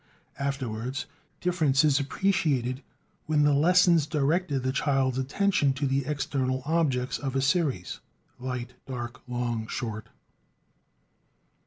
Afterwards difference is appreciated when the lessons direct the child's attention to the external objects of a series: light, dark, long, short.